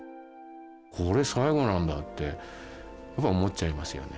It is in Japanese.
これ最後なんだってやっぱ思っちゃいますよね。